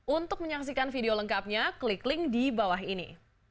untuk menyaksikan video lengkapnya klik link di bawah ini